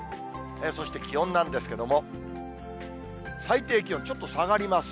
そして気温なんですけれども、最低気温、ちょっと下がります。